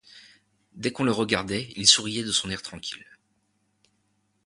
Dès qu'on le regardait, il souriait de son air tranquille.